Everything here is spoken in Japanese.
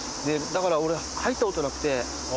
だから俺入ったことなくて。